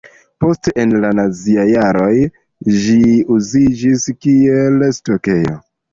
Poste en la naziaj jaroj ĝi uziĝis kiel stokejo.